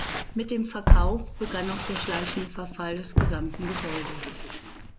Mit dem Verkauf begann auch der schleichende Verfall des gesamten Gebäudes.